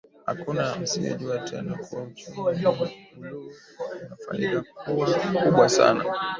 Hakuna asiyejua tena kuwa uchumi wa Buluu una faida kubwa sana